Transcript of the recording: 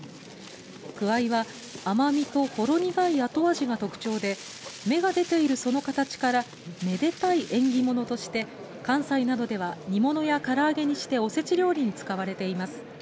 くわいは甘みとほろ苦い後味が特徴で芽が出ているその形からめでたい縁起物として関西などでは煮物や唐揚げにしておせち料理に使われています。